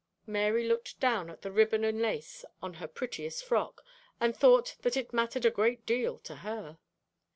Mary looked down at the ribbon and lace on her prettiest frock, and thought that it mattered a great deal to her.